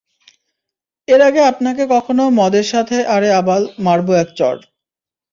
এর আগে আপনাকে কখনো মদের সাথে আরে আবাল, মারবো এক চড়।